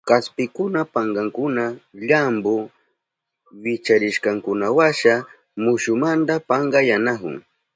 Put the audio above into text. Kaspikunaka pankankuna llampu wicharishkankunawasha mushumanta pankayanahun.